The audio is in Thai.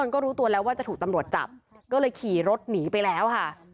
ก็เลยคี่รถหนีไปแล้วค่ะ